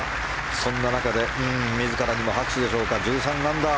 そんな中で自らにも拍手でしょうか１３アンダー。